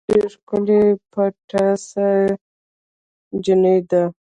مقدسه ډېره ښکلې پټاسه جینۍ ده